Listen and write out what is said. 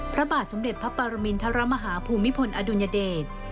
พระบาทสมเด็จพระปรมินทรมาฮาภูมิพลอดุลยเดช